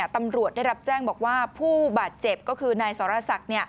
ตำรวจได้รับแจ้งบอกว่าผู้บาดเจ็บก็คือนายสรศักดิ์